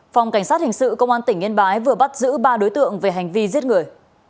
phòng cảnh sát hình sự công an tỉnh yên bái vừa bắt giữ ba đối tượng về hành vi giết người